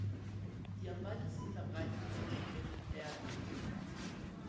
Die am weitesten verbreitete und mit rd.